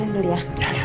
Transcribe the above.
tapi itu apa